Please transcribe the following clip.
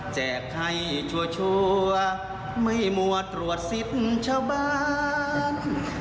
แจกให้ชัวร์ไม่มัวตรวจสิทธิ์ชาวบ้าน